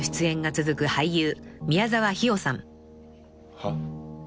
「はっ？」